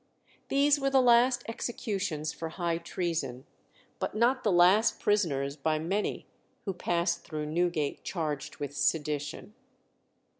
These were the last executions for high treason, but not the last prisoners by many who passed through Newgate charged with sedition.